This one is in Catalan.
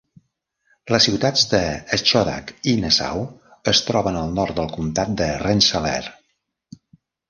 Les ciutats de Schodack i Nassau es troben al nord del comtat de Rensselaer.